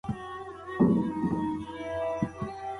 د درد درملنه د ناروغانو لپاره ډېره شوې ده.